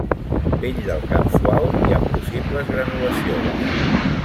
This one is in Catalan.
Pell del cap suau i amb possibles granulacions.